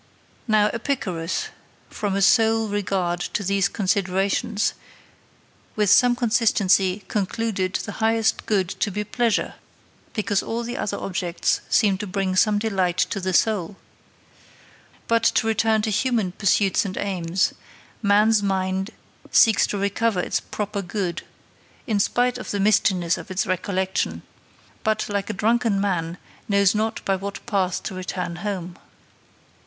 Now Epicurus, from a sole regard to these considerations, with some consistency concluded the highest good to be pleasure, because all the other objects seem to bring some delight to the soul. But to return to human pursuits and aims: man's mind seeks to recover its proper good, in spite of the mistiness of its recollection, but, like a drunken man, knows not by what path to return home.